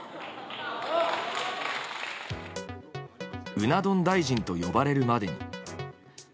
うな丼大臣と呼ばれるまでに。